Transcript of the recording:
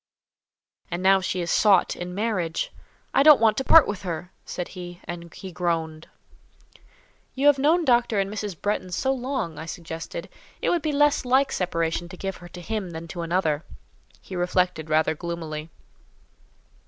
And now she is sought in marriage! I don't want to part with her," said he, and he groaned. "You have known Dr. and Mrs. Bretton so long," I suggested, "it would be less like separation to give her to him than to another." He reflected rather gloomily.